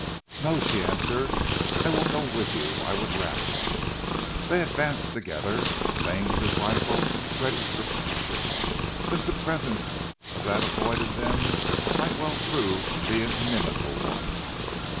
"No," she answered. "I will go with you, I would rather." They advanced together, Stane with his rifle ready for action, since a presence that avoided them might well prove to be an inimical one.